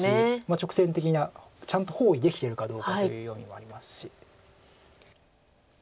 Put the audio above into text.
直線的なちゃんと包囲できてるかどうかというようなのもありますし。